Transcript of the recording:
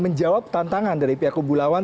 menjawab tantangan dari pihak kubulawan